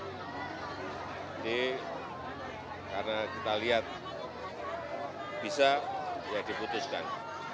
jadi karena kita lihat bisa ya diputuskan